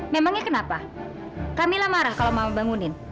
memangnya kenapa kamilah marah kalau mau bangunin